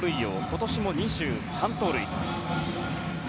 今年も２３盗塁。